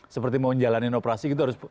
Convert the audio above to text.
seperti mau njalani operasi gitu